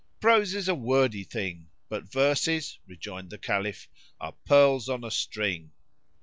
"Prose is a wordy thing, but verses," rejoined the Caliph, "are pearls on string."